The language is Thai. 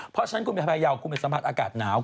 เพราะฉะนั้นคุณไปพายาวคุณไปสัมผัสอากาศหนาว